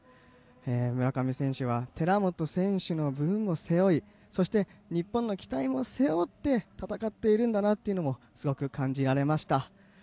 村上選手は寺本選手の分を背負いそして、日本の期待も背負って戦っているんだなというのもすごく感じられました。